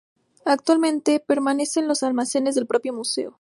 Actualmente permanece en los almacenes del propio museo.